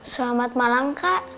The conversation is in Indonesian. selamat malam kak